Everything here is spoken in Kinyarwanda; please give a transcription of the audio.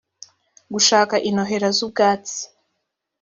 gushaka intohera z’ ubwatsi